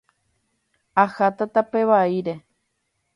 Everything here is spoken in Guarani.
Aháta tape vaíre.